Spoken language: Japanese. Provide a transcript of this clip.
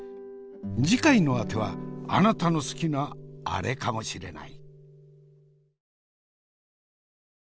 次回のあてはあなたの好きなアレかもしれない。